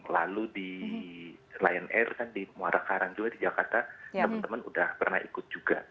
lalu di lion air kan di muara karang juga di jakarta teman teman udah pernah ikut juga